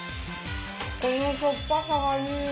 このしょっぱさがいい。